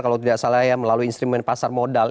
kalau tidak salah ya melalui instrumen pasar modal